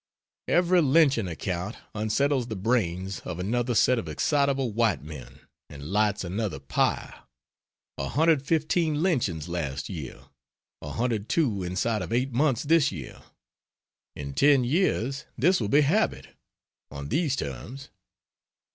Every lynching account unsettles the brains of another set of excitable white men, and lights another pyre 115 lynchings last year, 102 inside of 8 months this year; in ten years this will be habit, on these terms.